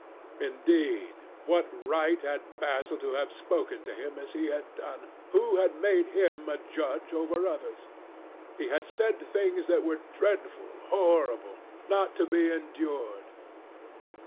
Indeed, what right had Basil to have spoken to him as he had done? Who had made him a judge over others? He had said things that were dreadful, horrible, not to be endured.